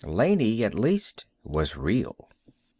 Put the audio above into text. Laney, at least, was real.